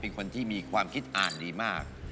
เป็นคนที่มีความคิดอ่านดีมาก